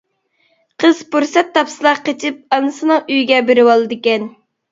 قىز پۇرسەت تاپسىلا قېچىپ ئانىسىنىڭ ئۆيىگە بېرىۋالىدىكەن.